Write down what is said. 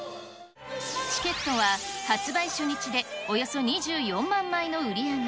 チケットは発売初日でおよそ２４万枚の売り上げ。